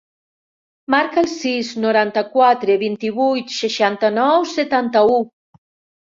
Marca el sis, noranta-quatre, vint-i-vuit, seixanta-nou, setanta-u.